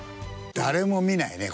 誰も見ないね